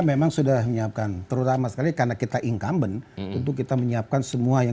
memang sudah menyiapkan terutama sekali karena kita incumbent untuk kita menyiapkan semua yang